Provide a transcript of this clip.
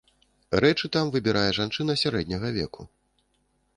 Рэчы там выбірае жанчына сярэдняга веку.